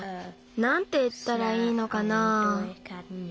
なんていったらいいのかな。